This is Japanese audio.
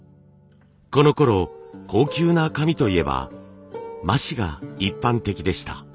このころ高級な紙といえば麻紙が一般的でした。